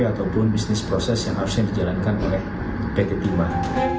ataupun bisnis proses yang harusnya dijalankan oleh pt biman